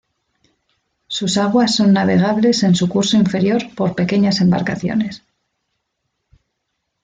Sus aguas son navegables en su curso inferior por pequeñas embarcaciones.